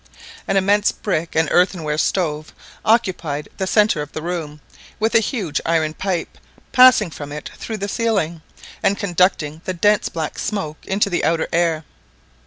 An immense brick and earthenware stove occupied the centre of the room, with a huge iron pipe passing from it through the ceiling, and conducting the dense black smoke into the outer air.